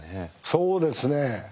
そうですね。